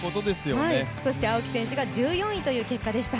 青木選手が１４位という結果でした。